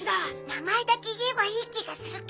名前だけ言えばいい気がするけど。